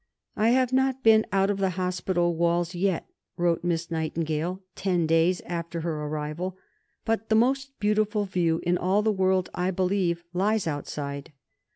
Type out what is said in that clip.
"I have not been out of the Hospital Walls yet," wrote Miss Nightingale ten days after her arrival, "but the most beautiful view in all the world, I believe, lies outside."